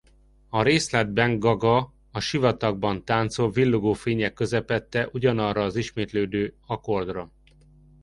A részletben Gaga a sivatagban táncol villogó fények közepette ugyanarra az ismétlődő akkordra.